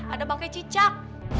ada bangkai cicak